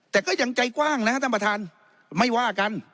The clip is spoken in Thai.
แต่ก็ยังใจกว้างนะครับท่านประธานไม่ว่ากัน